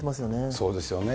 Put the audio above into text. そうですよね。